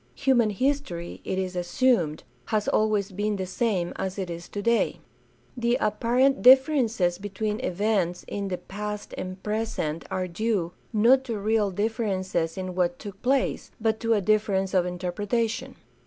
Human history, it is assumed, has always been the same as it is today. The apparent differences between events in the past and present are due, not to real differences in what took place, but to a difference of interpretation.